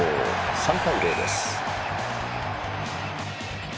３対０です。